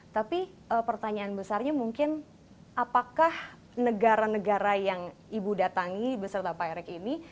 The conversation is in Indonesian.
tapi pertanyaan besarnya mungkin apakah negara negara yang ibu datangi beserta pak erick ini